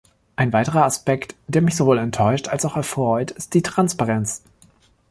Ein weiterer Aspekt, der mich sowohl enttäuscht als auch erfreut, ist die Transparenz.